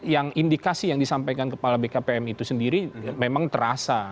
yang indikasi yang disampaikan kepala bkpm itu sendiri memang terasa